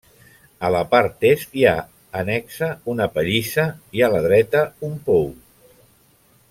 A la part est hi ha annexa una pallissa i a la dreta un pou.